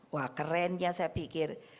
wah keren ya saya pikir